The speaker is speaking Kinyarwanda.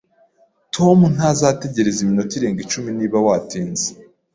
Tom ntazategereza iminota irenga icumi niba watinze